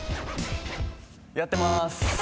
やってます。